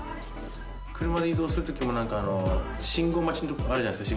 車で移動する時も信号待ちの時あるじゃないですか。